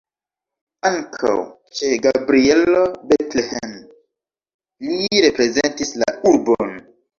Ankaŭ ĉe Gabrielo Bethlen li reprezentis la urbon.